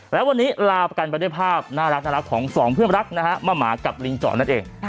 แล้ววันนี้ลาไปด้วยภาพน่ารักของสองเพื่อนรักนะฮะมะหมากับลิงเจาะนั่นเอง